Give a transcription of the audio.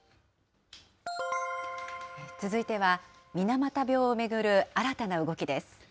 続いては、水俣病を巡る新たな動きです。